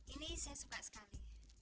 ini saya suka sekali